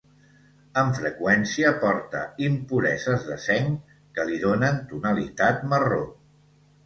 Amb freqüència porta impureses de zinc que li donen tonalitat marró.